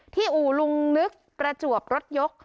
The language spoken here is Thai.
อู่ลุงนึกประจวบรถยก